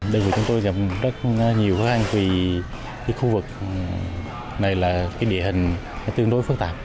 đời của chúng tôi gặp rất nhiều khó khăn vì khu vực này là địa hình tương đối phức tạp